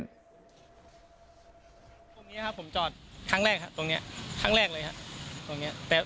ตรงนี้ผมจอดครั้งแรกครับตรงนี้ครั้งแรกเลยครับ